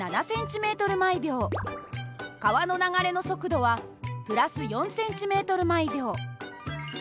川の流れの速度は＋４ｃｍ／ｓ。